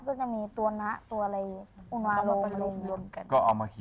ก็จะมีตัวนะตัวอะไรอุณวโลกอุณวโลกกันก็เอามาเขียน